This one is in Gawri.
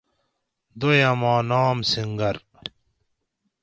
دویاماں نام سنگر